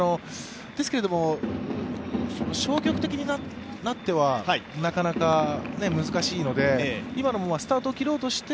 ありますよね、ですけども、消極的になってはなかなか難しいので、今のもスタートを切ろうとして